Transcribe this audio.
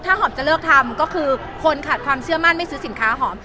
ถ้าหอมจะเลิกทำก็คือคนขาดความเชื่อมั่นไม่ซื้อสินค้าหอม